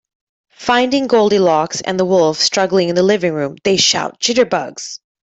Finding Goldilocks and the wolf struggling in the living room, they shout Jitterbugs!